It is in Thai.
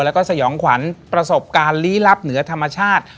แล้วก็สยองขวัญประสบการณ์ลี้ลับเหนือธรรมชาติ